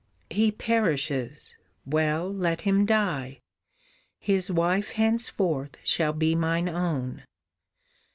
"He perishes well, let him die! His wife henceforth shall be mine own!